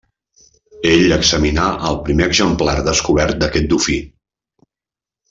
Ell examinà el primer exemplar descobert d'aquest dofí.